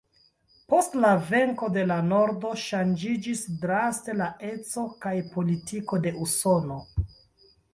Post la venko de la nordo ŝanĝiĝis draste la eco kaj politiko de Usono.